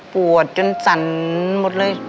ปวดจนสั่นหมดเลย